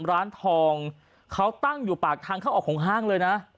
ร้านทองเขาตั้งอยู่ปากทางเข้าออกของห้างเลยนะ